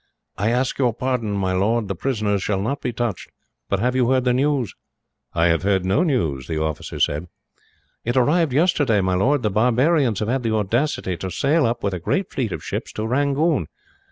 "I ask your pardon, my lord. The prisoners shall not be touched. But have you heard the news?" "I have heard no news," the officer said. "It arrived here yesterday, my lord. The barbarians have had the audacity to sail up, with a great fleet of ships, to Rangoon.